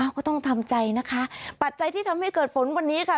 ก็ต้องทำใจนะคะปัจจัยที่ทำให้เกิดฝนวันนี้ค่ะ